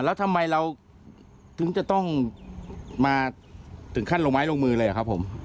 แล้วทำไมเราถึงจะต้องมาถึงขั้นลงไม้ลงมือเลยอะครับผม